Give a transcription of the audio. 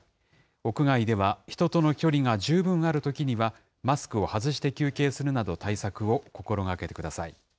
屋外では人との距離が十分あるときには、マスクを外して休憩するなど、対策を心がけてください。